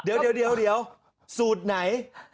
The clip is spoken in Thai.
เดี๋ยวเดี๋ยวเดี๋ยวเดี๋ยวสูตรไหน